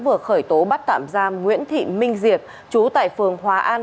vừa khởi tố bắt tạm giam nguyễn thị minh diệp chú tại phường hòa an